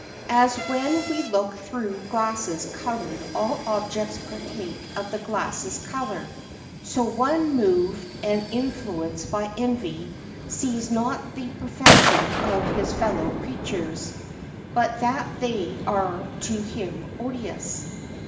As when we look through glasses colored all objects partake of the glasses' color, so one moved and influenced by envy sees not the perfection of his fellow creatures, but that they are to him odious.